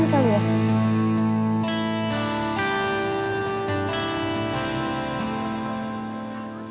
gila beres sih